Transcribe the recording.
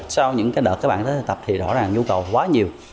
sau những đợt các bạn tập thì rõ ràng nhu cầu quá nhiều